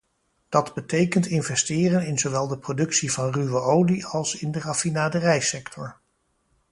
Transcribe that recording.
Dat betekent investeren in zowel de productie van ruwe olie als in de raffinaderijsector.